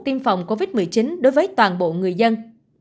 tiêm phòng covid một mươi chín đối với toàn bộ người dân